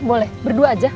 boleh berdua aja